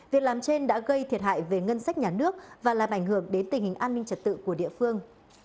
việc làm trên đã gây thiệt hại về ngân sách nhà nước và làm ảnh hưởng đến tình hình an ninh trật tự của địa phương